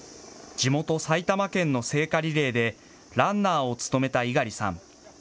地元、埼玉県の聖火リレーでランナーを務めた猪狩さん。